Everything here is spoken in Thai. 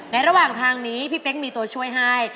ระหว่างทางนี้พี่เป๊กมีตัวช่วยให้